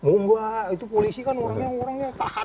enggak itu polisi kan orang orang yang tahan